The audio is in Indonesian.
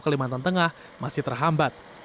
kalimantan tengah masih terhambat